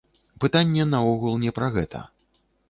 Пытанне наогул не пра гэта!